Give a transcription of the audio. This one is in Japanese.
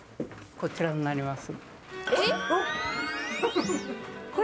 こちらになります。